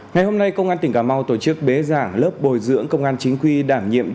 ngày hôm nay công an tỉnh cà mau tổ chức bế giảng lớp bồi dưỡng công an chính quy đảm nhiệm